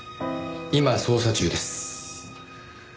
今捜査中です。